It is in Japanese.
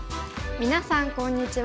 みなさんこんにちは。